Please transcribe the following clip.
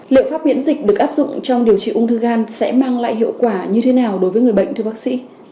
liệu pháp miễn dịch được áp dụng trong điều trị ung thư gan sẽ mang lại hiệu quả như thế nào đối với người bệnh thưa bác sĩ